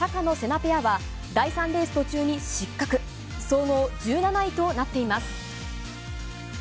ペアは、第３レース途中に失格、総合１７位となっています。